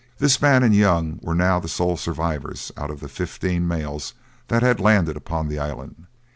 This man and Young were now the sole survivors out of the fifteen males that had landed upon the island.